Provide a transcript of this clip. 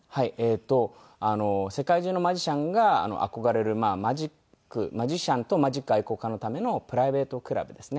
世界中のマジシャンが憧れるマジシャンとマジック愛好家のためのプライベートクラブですね。